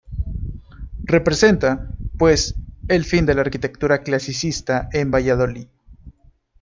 Representa, pues, el fin de la arquitectura clasicista en Valladolid.